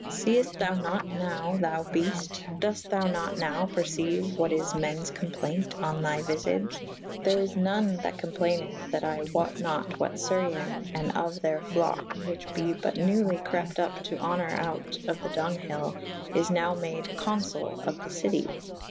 Sefte" thou nat nowe thou bei'te^? dofte thou nat nowe perceyue what is mennes cowplaynt on thy vylage ? there is non that com playneth that I wote nat what Surryen'' & of theyr flocke whiche be but newly crepte vp to honour out of the donghyll is nowe made conlull of the citie.